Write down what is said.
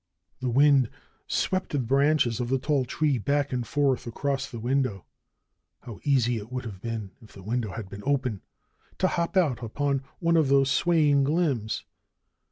The wind swept the branches of the tall tree back and forth across the window. How easy it would have been if the window had been open to hop out upon one of those swaying limbs!